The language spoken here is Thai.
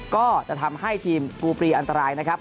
ก็จะทำให้ทีมกูปรีอันตรายนะครับ